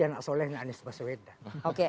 anak solehnya anies baswedan oke